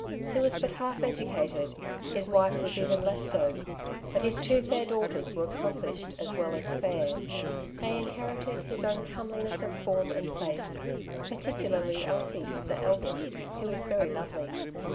He was but half educated, his wife was even less so, but his two fair daughters were accomplished as well as fair. They inherited his own comeliness of' form and face, particularly Elsie, the eldest, who was very lovely.